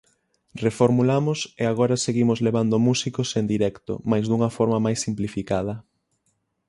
Reformulamos e agora seguimos levando músicos en directo mais dunha forma máis simplificada.